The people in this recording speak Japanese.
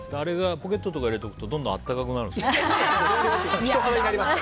ポケットとか入れておくとどんどん温かくなるんですか。